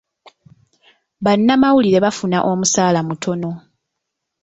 Bannamawulire bafuna omusaala mutono.